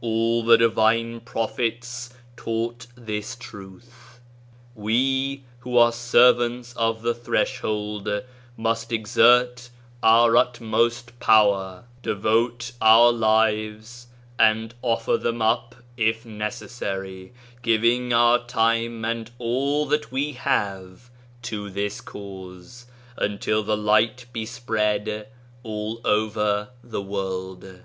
All the divine Prophets taught this truth ... We who are servants of the Threshold must exert our utmost power, devote our lives, and 21 offer them up if necessary, giving our time and all that we have to this cause, until this light be spread all over the world